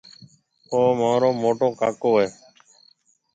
او مهارو موٽو ڪاڪو هيَ۔